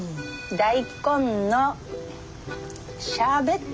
大根のシャーベット？